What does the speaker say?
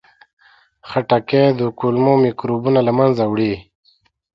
خټکی د کولمو میکروبونه له منځه وړي.